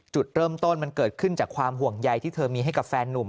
จุดเริ่มต้นมันเกิดขึ้นจากความห่วงใยที่เธอมีให้กับแฟนนุ่ม